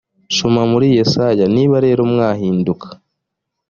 soma muri yesaya niba rero mwahinduka